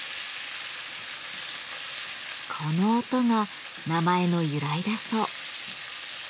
この音が名前の由来だそう。